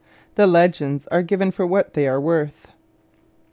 The legends are given for what they are worth.